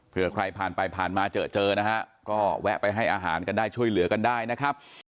เพื่อใครผ่านไปผ่านมาเจอเจอนะฮะก็แวะไปให้อาหารกันได้ช่วยเหลือกันได้นะครับ